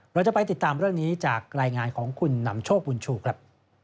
เราจะไปติดตามเรื่องนี้จากรายงานของคุณนำโชคบุญชูครับ